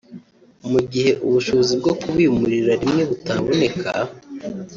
mu gihe ubushobozi bwo kubimurira rimwe butaboneka